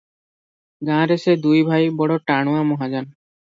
ଗାଁ ରେ ସେ ଦୁଇ ଭାଇ ବଡ ଟାଣୁଆ ମହାଜନ ।